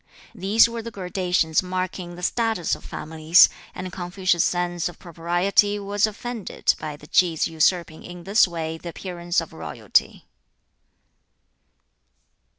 These were the gradations marking the status of families, and Confucius's sense of propriety was offended at the Ki's usurping in this way the appearance of royalty.